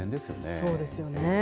そうですよね。